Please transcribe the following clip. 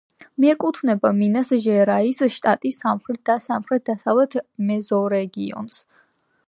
მიეკუთვნება მინას-ჟერაისის შტატის სამხრეთ და სამხრეთ-დასავლეთ მეზორეგიონს.